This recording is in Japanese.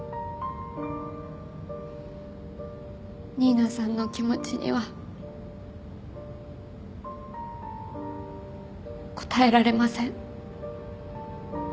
新名さんの気持ちには応えられません。